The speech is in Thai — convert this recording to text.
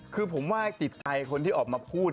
คือผมว่าติดใจคนที่ออกมาพูด